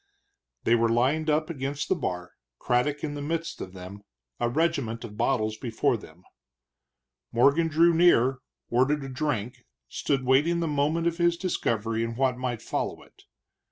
They were lined up against the bar, Craddock in the midst of them, a regiment of bottles before them. Morgan drew near, ordered a drink, stood waiting the moment of his discovery and what might follow it.